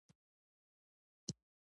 هوښیار څوک دی چې د تېرو نه عبرت اخلي.